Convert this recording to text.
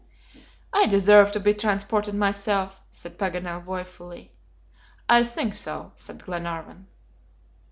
"I deserve to be transported myself," said Paganel, woefully. "I think so," said Glenarvan.